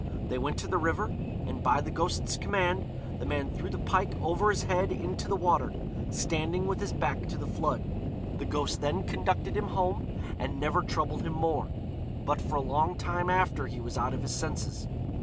They went to the river, and by the ghost's command the man threw the pike over his head into the water, standing with his back to the flood. The ghost then conducted him home, and never troubled him more. But for a long time after he was out of his senses.